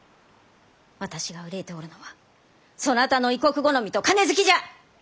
私が憂いておるのはそなたの異国好みと金好きじゃ！